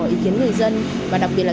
ý kiến người dân và đặc biệt là